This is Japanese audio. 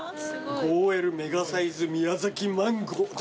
５Ｌメガサイズ宮崎マンゴー。